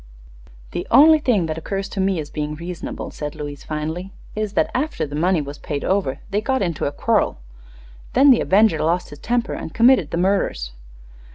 "The only thing that occurs to me as being sensible," said Louise, finally, "is that after the money was paid over they got into a quarrel. Then the avenger lost his temper and committed the murders."